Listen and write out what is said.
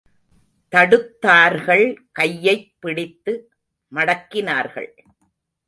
தடுத்தார்கள் கையைப் பிடித்து மடக்கினார்கள்.